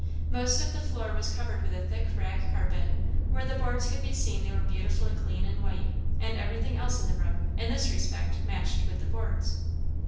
Most of the floor was covered with a thick rag carpet; where the boards could be seen they were beautifully clean and white, and everything else in the room, in this respect, matched with the boards.